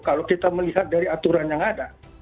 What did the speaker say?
kalau kita melihat dari aturan yang ada